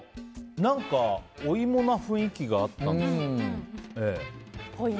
何かお芋な雰囲気があったんです。